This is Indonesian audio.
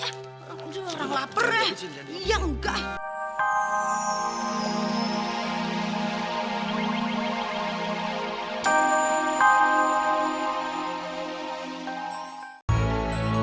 aduh orang lapar ya